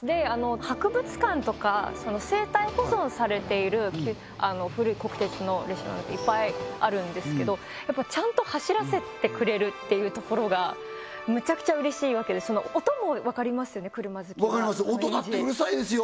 博物館とか静態保存されている古い国鉄の列車なんていっぱいあるんですけどやっぱちゃんと走らせてくれるっていうところがめちゃくちゃうれしいわけでその音もわかりますよね車好きはわかります音だってうるさいですよ